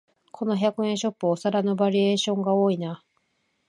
この百円ショップ、お皿のバリエーションが多いな